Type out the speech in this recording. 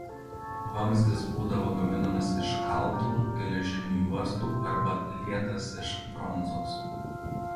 Vamzdis būdavo gaminamas iš kaltų geležinių juostų arba lietas iš bronzos.